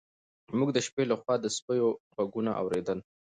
موږ د شپې لخوا د سپیو غږونه اورېدل.